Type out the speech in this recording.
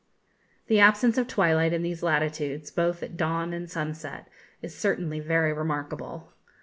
The absence of twilight in these latitudes, both at dawn and sunset, is certainly very remarkable.